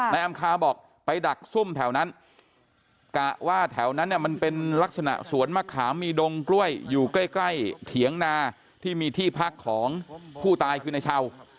นายอำคาบอกไปดักซุ่มแถวนั้นกะว่าแถวนั้นเนี่ยมันเป็นลักษณะสวนมะขามมีดงกล้วยอยู่ใกล้ใกล้เถียงนาที่มีที่พักของผู้ตายคือในเช่า